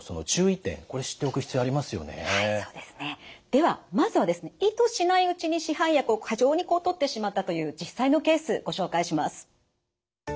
ではまずはですね意図しないうちに市販薬を過剰にとってしまったという実際のケースご紹介します。